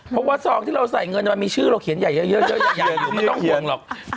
เพราะว่าซองที่เราใส่เงินมันมีชื่อเราเขียนใหญ่เยอะอยู่ไม่ต้องห่วงหรอก